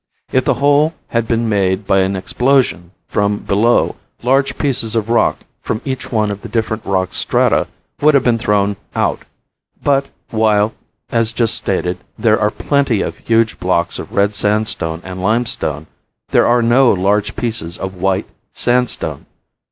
If the hole had been made by an explosion from below large pieces of rock from each one of the different rock strata would have been thrown out; but, while as just stated, there are plenty of huge blocks of red sandstone and limestone, there are no large pieces of white sandstone.